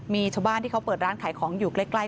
มีชาวบ้านที่เขาเปิดร้านขายของอยู่ใกล้